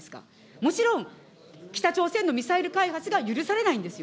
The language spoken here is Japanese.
もちろん北朝鮮のミサイル開発が許されないんですよ。